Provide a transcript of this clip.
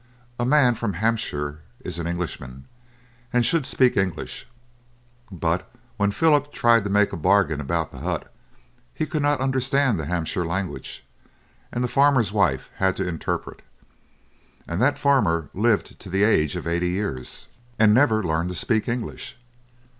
A man from Hampshire is an Englishman, and should speak English; but, when Philip tried to make a bargain about the hut, he could not understand the Hampshire language, and the farmer's wife had to interpret. And that farmer lived to the age of eighty years, and never learned to speak English.